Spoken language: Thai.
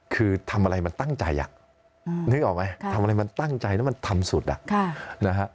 คือทำอะไรมันตั้งใจอ่ะนึกออกไหมทำอะไรมันตั้งใจแล้วมันทำสุดอ่ะนะฮะ